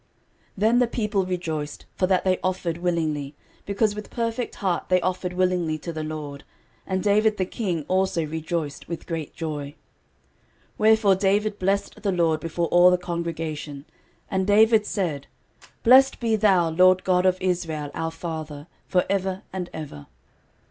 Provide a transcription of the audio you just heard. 13:029:009 Then the people rejoiced, for that they offered willingly, because with perfect heart they offered willingly to the LORD: and David the king also rejoiced with great joy. 13:029:010 Wherefore David blessed the LORD before all the congregation: and David said, Blessed be thou, LORD God of Israel our father, for ever and ever.